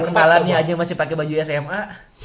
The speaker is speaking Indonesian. kepalanya aja masih pake baju sma